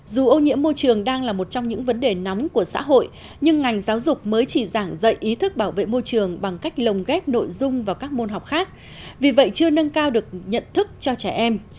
dù ô nhiễm môi trường đang là một trong những vấn đề nóng của xã hội nhưng ngành giáo dục mới chỉ giảng dạy ý thức bảo vệ môi trường bằng cách lồng ghép nội dung vào các môn học khác vì vậy chưa nâng cao được nhận thức cho trẻ em